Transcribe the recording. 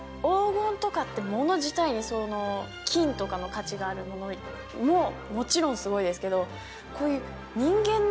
黄金とかって物自体に金とかの価値があるものももちろんすごいですけど。